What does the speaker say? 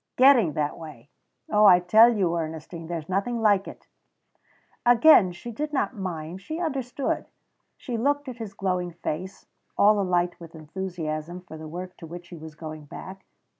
"Getting that way. Oh, I tell you, Ernestine, there's nothing like it." Again she did not mind; she understood. She looked at his glowing face, all alight with enthusiasm for the work to which he was going back.